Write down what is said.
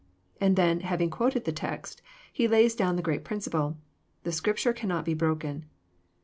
And then having quoted the text, He lays down the great principle, " the Scripture cannot be broken."